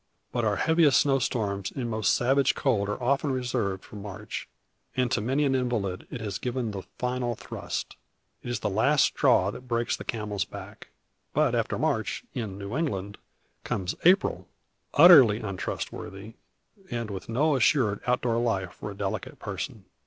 '" But our heaviest snow storms and most savage cold are often reserved for March; and to many an invalid it has given the final thrust: it is the last straw that breaks the camel's back. But after March, in New England, comes April, utterly untrustworthy, and with no assured out door life for a delicate person.